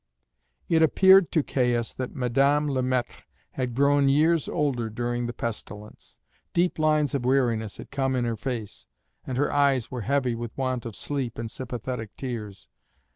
It appeared to Caius that Madame Le Maître had grown years older during the pestilence. Deep lines of weariness had come in her face, and her eyes were heavy with want of sleep and sympathetic tears.